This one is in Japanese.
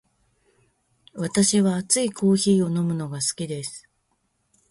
私は熱いコーヒーを飲むのが好きです。